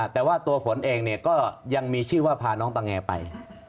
แต่ว่าตัวฝนเองก็ยังมีชื่อว่าพาน้องตะแงไป